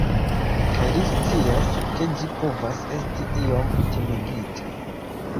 Kaj li scias, ke ĝi povas esti iom timigita.